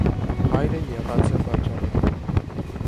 Հայրը եղած է վաճառական։